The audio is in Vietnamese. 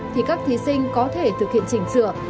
thì các thí sinh có thể thực hiện chỉnh sửa